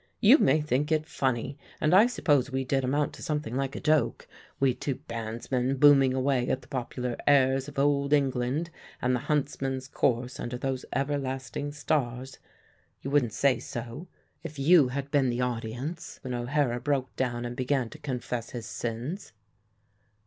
You may think it funny, and I suppose we did amount to something like a joke we two bandsmen booming away at the Popular Airs of Old England and the Huntsmen's Chorus under those everlasting stars. You wouldn't say so, if you had been the audience when O'Hara broke down and began to confess his sins.